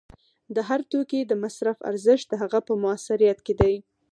د هر توکي د مصرف ارزښت د هغه په موثریت کې دی